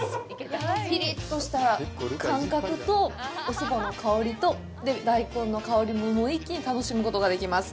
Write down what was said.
ピリッとした感覚と、お蕎麦の香りと、大根の香りも、もう一気に楽しむことができます。